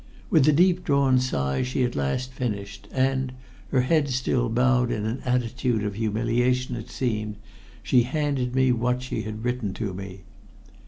With a deep drawn sigh she at last finished, and, her head still bowed in an attitude of humiliation, it seemed, she handed what she had written to me.